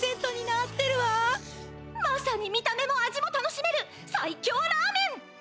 まさに見た目も味も楽しめるさいきょうラーメン！